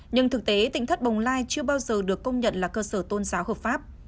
nhưng thực tế tỉnh thất bồng lai chưa bao giờ được công nhận là cơ sở tôn giáo hợp pháp